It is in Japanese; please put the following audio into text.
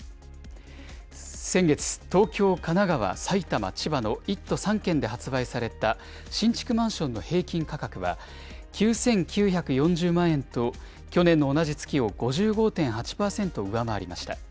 先月、東京、神奈川、埼玉、千葉の１都３県で発売された新築マンションの平均価格は９９４０万円と、去年の同じ月を５５．８％上回りました。